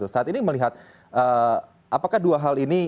saat ini melihat apakah dua hal ini